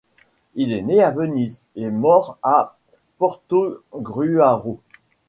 Il est né à Venise et mort à Portogruaro.